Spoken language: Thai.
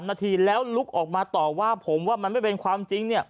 นาทีแล้วลุกออกมาต่อว่าผมว่ามันไม่เป็นความจริงเนี่ย